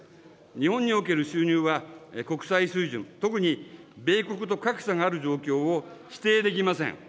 日本における収入は国際水準、特に米国と格差がある状況を否定できません。